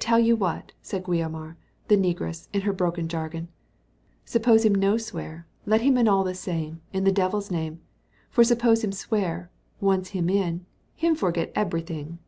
"Tell you what," said Guiomar, the negress, in her broken jargon, "s'ppose him no swear, let him in all the same, in devil's name; for s'ppose him swear, once him in, him forget eberyting."